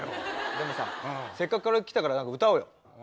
でもさせっかくカラオケ来たから何か歌おうよ。